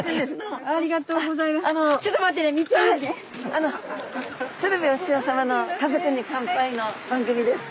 あの鶴瓶お師匠さまの「家族に乾杯」の番組です。